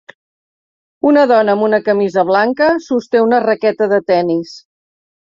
Una dona amb una camisa blanca sosté una raqueta de tennis.